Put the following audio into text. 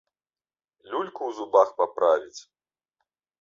Люльку ў зубах паправіць.